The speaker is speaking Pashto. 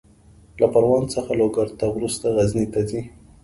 له پروان څخه لوګر ته، وروسته غزني ته ځي.